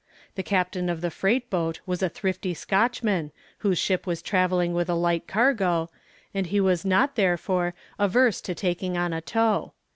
The captain of the freight boat was a thrifty Scotchman whose ship was traveling with a light cargo, and he was not, therefore, averse to taking on a tow.